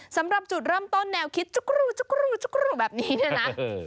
สำหรับจุดเริ่มต้นแนวคิดจุ๊กรูจุ๊กรูจุ๊กรูแบบนี้เนี่ยนะ